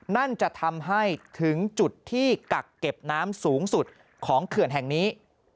นั่นจะทำให้ถึงจุดที่กักเก็บน้ำสูงสุดของเขื่อนแห่งนี้